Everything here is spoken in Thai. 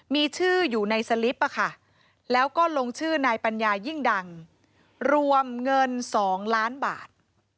มีชื่ออยู่ในสลิปแล้วก็ลงชื่อนายปัญญายิ่งดังรวมเงิน๒ล้านบาท